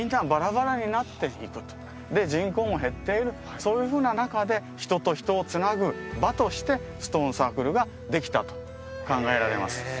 そういうふうな中で人と人をつなぐ場としてストーンサークルができたと考えられます